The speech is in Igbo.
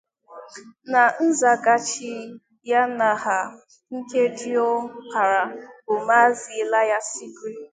Na nzaghachi ya n'aha nke diọkpara bụ Maazị Elias Igwe